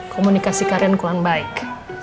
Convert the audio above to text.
komunikasi kalian kurang baik